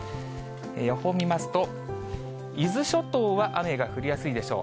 予報見ますと、伊豆諸島は雨が降りやすいでしょう。